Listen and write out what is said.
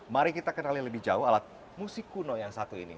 mari kita kenali lebih jauh alat musik kuno yang satu ini